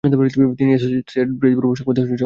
তিনি Associated Press bureau সংবাদ সংস্থাতে কাজ করেছেন।